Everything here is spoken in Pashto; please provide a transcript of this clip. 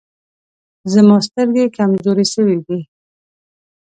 زما سترګي کمزوري سوي دی.